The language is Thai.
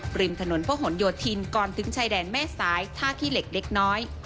ริมถนนพระหลโยธินก่อนถึงชายแดนแม่สายท่าขี้เหล็กเล็กน้อย